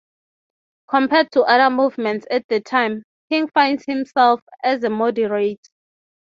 Compared to other movements at the time, King finds himself as a moderate.